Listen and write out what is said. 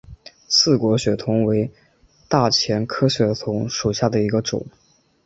刺果血桐为大戟科血桐属下的一个种。